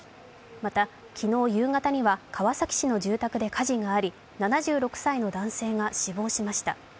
また昨日夕方には川崎市の住宅で火事があり、７６歳の男性が死亡しました。